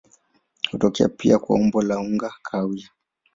Hutokea pia kwa umbo la unga kahawia.